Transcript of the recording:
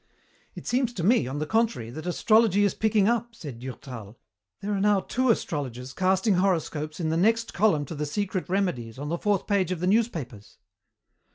"It seems to me, on the contrary, that astrology is picking up," said Durtal. "There are now two astrologers casting horoscopes in the next column to the secret remedies on the fourth page of the newspapers."